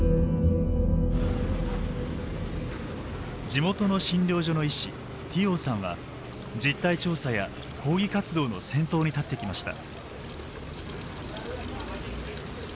地元の診療所の医師ティオーさんは実態調査や抗議活動の先頭に立ってきました。